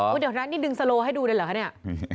เดี๋ยวนั้นนี่ดึงสโลให้ดูเลยเหรอคะเนี่ย